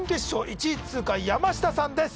１位通過山下さんです